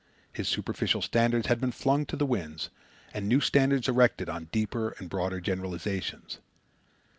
His superficial standards had been flung to the winds and new standards erected on deeper and broader generalizations.